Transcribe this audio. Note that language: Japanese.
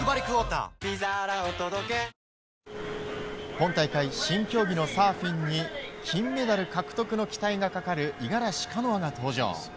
今大会、新競技のサーフィンに金メダル獲得の期待がかかる五十嵐カノアが登場。